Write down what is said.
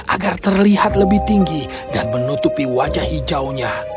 agar terlihat lebih tinggi dan menutupi wajah hijaunya